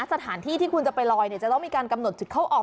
สถานที่ที่คุณจะไปลอยจะต้องมีการกำหนดจุดเข้าออก